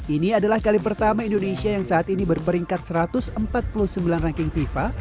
ini adalah kali pertama indonesia yang saat ini berperingkat satu ratus empat puluh sembilan ranking fifa